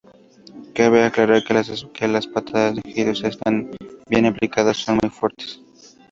Cabe aclarar que las patadas de giro, si están bien aplicadas, son muy fuertes.